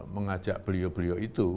mengajak beliau beliau itu